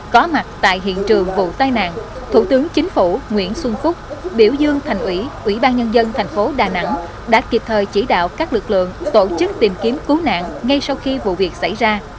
có mặt tại hiện trường vụ tai nạn thủ tướng chính phủ nguyễn xuân phúc biểu dương thành ủy ủy ban nhân dân thành phố đà nẵng đã kịp thời chỉ đạo các lực lượng tổ chức tìm kiếm cứu nạn ngay sau khi vụ việc xảy ra